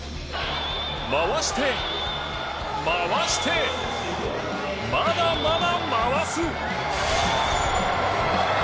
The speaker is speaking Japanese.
回して、回して、まだまだ回す。